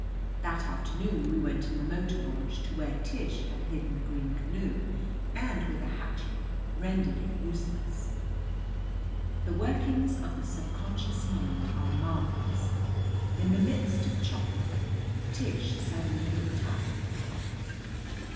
That afternoon we went in the motor launch to where Tish had hidden the green canoe and, with a hatchet, rendered it useless. The workings of the subconscious mind are marvelous. In the midst of chopping, Tish suddenly looked up.